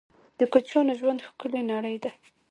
د کوچنیانو ژوند ښکلې نړۍ ده